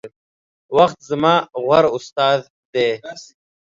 وخت زما غوره استاذ دے